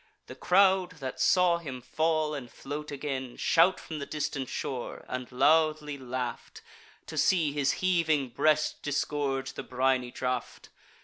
The crowd, that saw him fall and float again, Shout from the distant shore; and loudly laugh'd, To see his heaving breast disgorge the briny draught.